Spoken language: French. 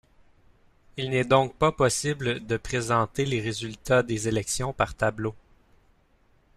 Il n'est donc pas possible de présenter les résultats des élections par tableaux.